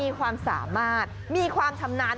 มีความสามารถมีความชำนาญ